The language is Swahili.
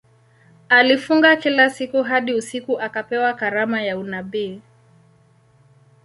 Alifunga kila siku hadi usiku akapewa karama ya unabii.